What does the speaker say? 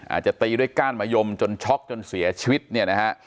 อาจจะตีด้วยก้านมะยมจนช็อกจนเสียชีวิตเนี่ยนะฮะ